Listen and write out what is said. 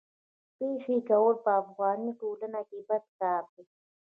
پېښې کول په افغاني ټولنه کي بد کار دی.